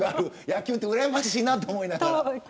野球はうらやましいなと思いながら。